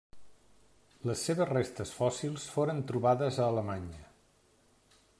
Les seves restes fòssils foren trobades a Alemanya.